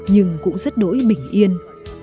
nhưng cũng rất đối bình yên